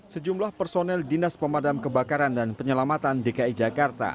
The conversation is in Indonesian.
sejumlah personel dinas pemadam kebakaran dan penyelamatan dki jakarta